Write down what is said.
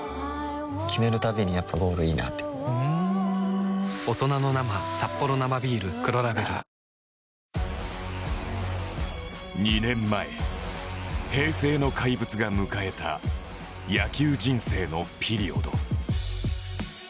決めるたびにやっぱゴールいいなってふん２年前平成の怪物が迎えた野球人生のピリオド